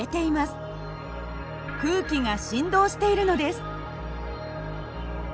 空気が振動しているのです。